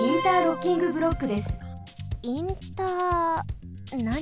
インターなに？